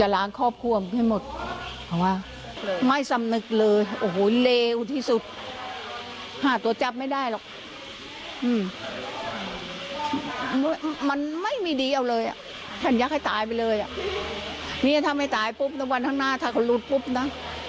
แล้วลูกซ่าวลูกซ่าวฉันจะยุ่งล่ะ